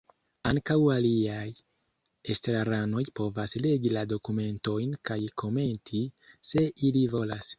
Ankaŭ aliaj estraranoj povas legi la dokumentojn kaj komenti, se ili volas.